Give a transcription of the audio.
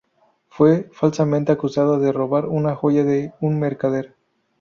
Fue falsamente acusado de robar una joya de un mercader.